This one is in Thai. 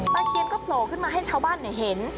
เคียนก็โผล่ขึ้นมาให้ชาวบ้านเห็น